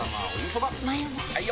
・はい！